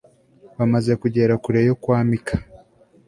bamaze kugera kure yo kwa mika